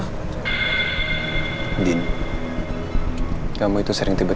kita dimana ini bas